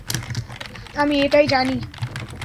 আমি এটাই জানি।